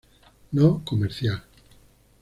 No Comercial.